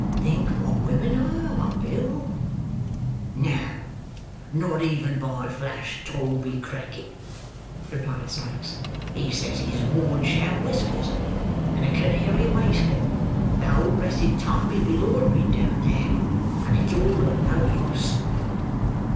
"Think what women are, Bill," "No; not even by flash Toby Crackit," replied Sikes. "He says he's worn sham whiskers, and a canary waistcoat, the whole blessed time he's been loitering down there, and it's all of no use."